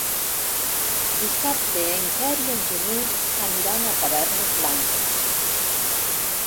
Dissabte en Quer i en Genís aniran a Tavernes Blanques.